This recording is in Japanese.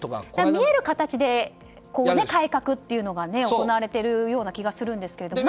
見える形で改革というのが行われているような気がするんですけれども。